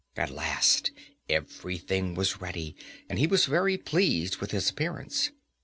At last everything was ready, and he was very pleased with his appearance.